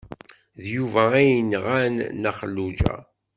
D Yuba ay yenɣan Nna Xelluǧa.